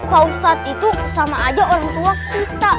pak ustadz itu sama aja orang tua kita